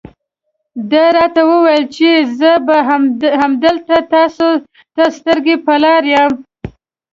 ده راته وویل چې زه به همدلته تاسو ته سترګې په لار یم.